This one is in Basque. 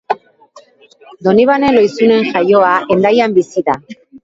Donibane Lohizunen jaioa, Hendaian bizi da.